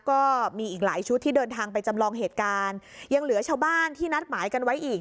ก็มีอีกหลายชุดที่เดินทางไปจำลองเหตุการณ์ยังเหลือชาวบ้านที่นัดหมายกันไว้อีก